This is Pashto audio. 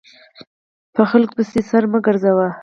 په خلکو پسې سر مه ګرځوه !